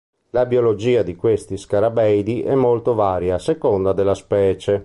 La biologia di questi scarabeidi è molto varia a seconda della specie.